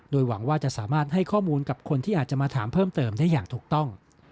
โดยหวังว่าจะสามารถให้ข้อมูลกับคนที่อาจจะมาถามเพิ่มเติมได้อย่างถูกต้อง